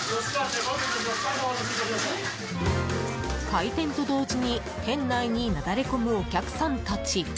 開店と同時に店内になだれ込むお客さんたち。